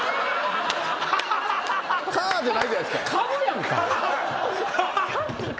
カーじゃないじゃないですか！